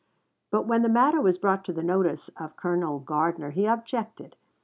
But when the matter was brought to the notice of Colonel Gardiner he objected.